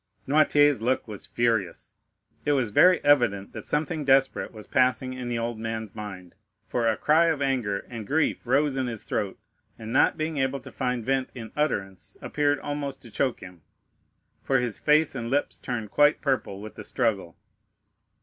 30165m Noirtier's look was furious; it was very evident that something desperate was passing in the old man's mind, for a cry of anger and grief rose in his throat, and not being able to find vent in utterance, appeared almost to choke him, for his face and lips turned quite purple with the struggle.